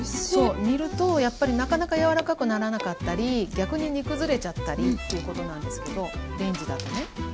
そう煮るとやっぱりなかなか柔らかくならなかったり逆に煮崩れちゃったりということなんですけどレンジだとね。